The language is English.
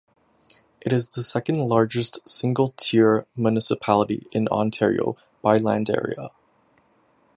It is the second largest single-tier municipality in Ontario by land area.